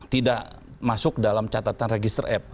tidak masuk dalam catatan register app